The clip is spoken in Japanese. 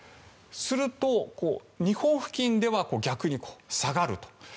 すると日本付近では逆に下がる。